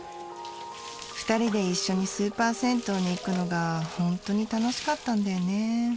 ２人で一緒にスーパー銭湯に行くのがホントに楽しかったんだよね。